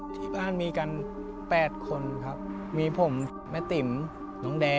ที่บ้านมีกัน๘คนครับมีผมแม่ติ๋มน้องแด